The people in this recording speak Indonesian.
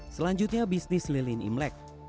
selanjutnya bisnis lilin imlek